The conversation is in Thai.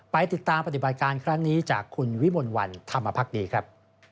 ไปติดตามปฏิบัติการครั้งนี้จากคุณวิมลวันธรรมภักดีครับ